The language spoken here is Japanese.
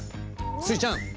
スイちゃん